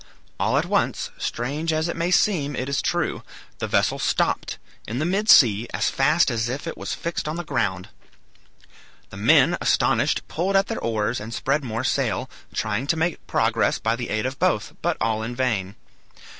All at once strange as it may seem, it is true, the vessel stopped, in the mid sea, as fast as if it was fixed on the ground. The men, astonished, pulled at their oars, and spread more sail, trying to make progress by the aid of both, but all in vain.